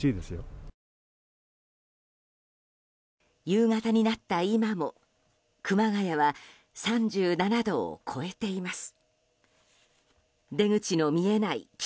夕方になった今も熊谷は３７度を超えています。